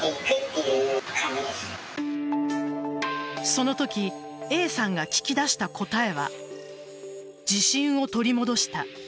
そのときＡさんが聞き出した答えは自信を取り戻した。